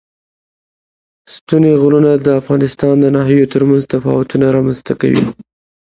ستوني غرونه د افغانستان د ناحیو ترمنځ تفاوتونه رامنځ ته کوي.